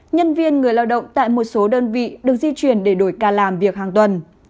nhân viên người lao động tại một số đơn vị được di chuyển để đổi ca làm việc hàng tuần